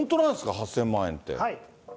８０００万円って。